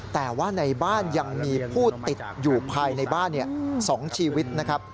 แต่ว่าในบ้านยังมีผู้ติดอยู่ภายในบ้าน๒ชีวิตนะครับ